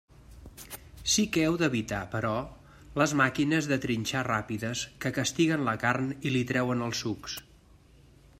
Sí que heu d'evitar, però, les màquines de trinxar ràpides que castiguen la carn i li treuen els sucs.